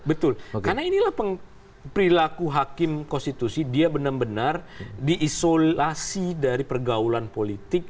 betul karena inilah perilaku hakim konstitusi dia benar benar diisolasi dari pergaulan politik